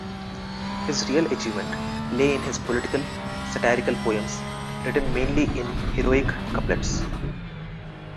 His real achievement lay in his political, satirical poems, written mainly in heroic couplets.